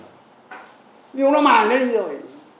nhưng mà nó mài nó đi rồi